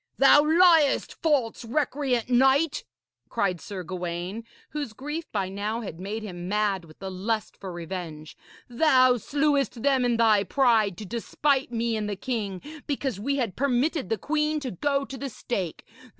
'Thou liest, false, recreant knight!' cried Sir Gawaine, whose grief by now had made him mad with the lust for revenge; 'thou slewest them in thy pride, to despite me and the king, because we had permitted the queen to go to the stake.